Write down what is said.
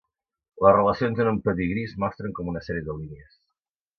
Les relacions en un pedigrí es mostren com una sèrie de línies.